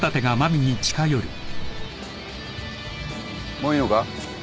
もういいのか？